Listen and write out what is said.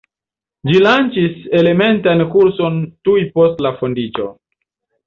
Ĝi lanĉis elementan kurson tuj post la fondiĝo.